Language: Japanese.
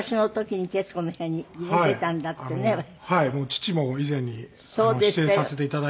父も以前に出演させていただいた。